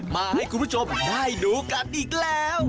มาให้คุณผู้ชมได้ดูกันอีกแล้ว